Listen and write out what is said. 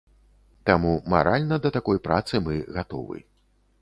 Таму маральна да такой працы мы гатовы.